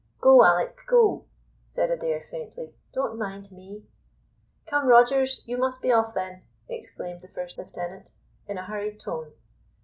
"Go, Alick, go," said Adair faintly. "Don't mind me." "Come, Rogers, you must be off then," exclaimed the first lieutenant, in a hurried tone.